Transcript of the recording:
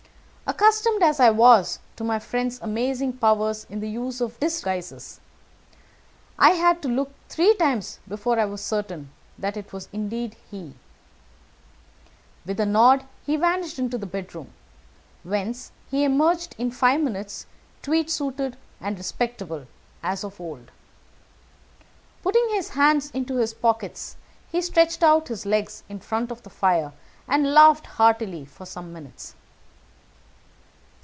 Accustomed as I was to my friend's amazing powers in the use of disguises, I had to look three times before I was certain that it was indeed he. With a nod he vanished into the bedroom, whence he emerged in five minutes tweed suited and respectable, as of old. Putting his hands into his pockets, he stretched out his legs in front of the fire, and laughed heartily for some minutes.